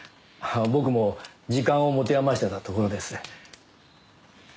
僕も時間を持て余してたところです。